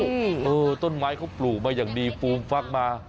เออต้นไม้เขาปลูกมาอย่างดีฟูมฟักมา